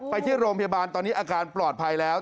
ที่โรงพยาบาลตอนนี้อาการปลอดภัยแล้ว